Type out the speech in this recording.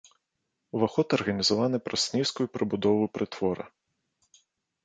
Уваход арганізаваны праз нізкую прыбудову прытвора.